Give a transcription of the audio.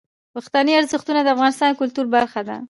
پښتني ارزښتونه د افغانستان د کلتور برخه ده.